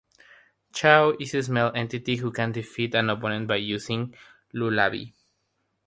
Chao is a small entity who can defeat an opponent by using Lullaby.